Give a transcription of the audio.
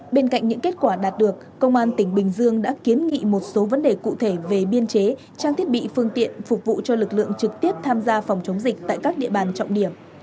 bên cạnh những kết quả đạt được công an tỉnh bình dương đã kiến nghị một số vấn đề cụ thể về biên chế trang thiết bị phương tiện phục vụ cho lực lượng trực tiếp tham gia phòng chống dịch tại các địa bàn trọng điểm